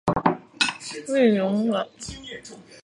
目前负责越南南北铁路洞海区段的铁路客货运牵引任务。